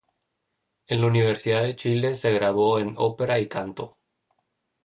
En la Universidad de Chile, se graduó en ópera y canto.